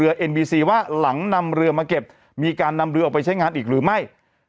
เอ็นบีซีว่าหลังนำเรือมาเก็บมีการนำเรือออกไปใช้งานอีกหรือไม่